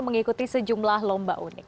mengikuti sejumlah lomba unik